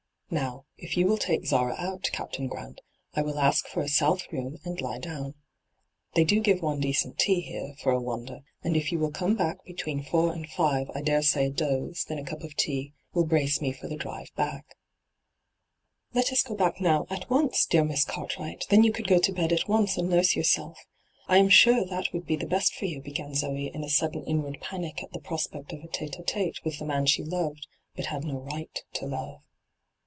Now, if you will take Zara out, Captain Grant, I will ask for a south room and lie down. They do give one decent tea here, for a wonder, and if you will come back between four and five I dare say a doze, then a cup of tea, will brace me for the drive back.' hyGoogIc 232 ENTRAPPED 'Let us go back now, at once, dear Miss Cartwright ; then you oould go to bed at once and nurse yourself. I am sure that would be the best for you,' began Zoe in a sudden inward panic at the prospect of a tke il tSte with the man she loved, but had no right to love.